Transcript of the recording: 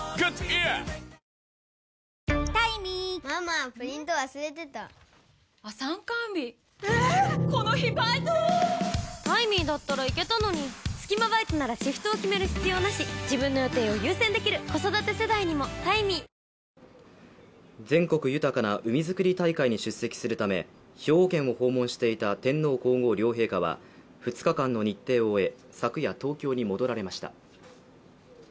現在、入院中で、人工呼吸器やＥＣＭＯをつけて治療を受けている全国豊かな海づくり大会に出席するため兵庫県を訪問していた天皇皇后両陛下は２日間の日程を終え昨夜、東京に戻られました。